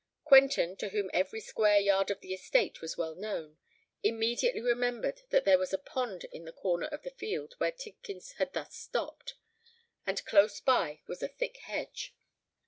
Quentin, to whom every square yard of the estate was well known, immediately remembered that there was a pond in the corner of the field where Tidkins had thus stopped; and close by was a thick hedge.